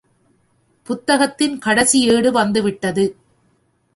புத்தகத்தின் கடைசி ஏடு வந்துவிட்டது.